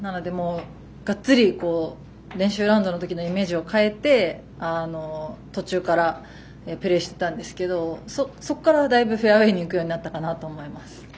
がっつり、練習ラウンドのときのイメージを変えて途中からプレーしてたんですけどそこから、だいぶフェアウェーにいくようになったかなと思います。